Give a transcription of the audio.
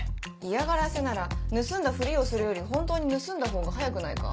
嫌がらせなら盗んだふりをするより本当に盗んだほうが早くないか？